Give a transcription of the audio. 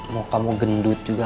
mau kamu gendut juga